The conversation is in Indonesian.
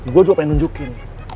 gue juga pengen nunjukin